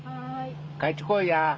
帰ってこいや。